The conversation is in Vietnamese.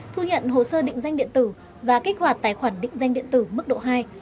thu nhận hồ sơ định danh điện tử và kích hoạt tài khoản định danh điện tử mức độ hai